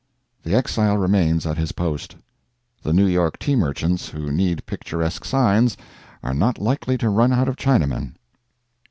The exile remains at his post. The New York tea merchants who need picturesque signs are not likely to run out of Chinamen.